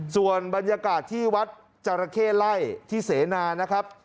ส่วนบรรยากาศที่วัดจราเข้ไล่ที่เสนานะครับ